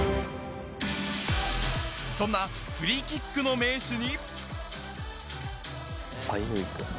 そんなフリーキックの名手に。